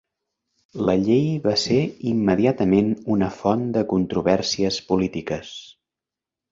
La llei va ser immediatament una font de controvèrsies polítiques.